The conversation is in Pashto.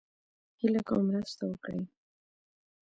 هيله کوم مرسته وکړئ